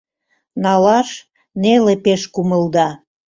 Налаш — неле пеш кумылда.